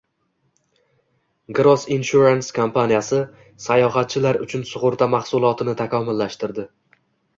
Gross Insurance kompaniyasi sayohatchilar uchun sug‘urta mahsulotini takomillashtirdi